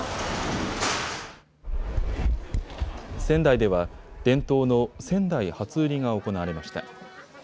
仙台では伝統の仙台初売りが行われました。